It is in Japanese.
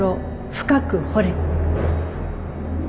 深く掘れ